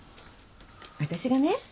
私がね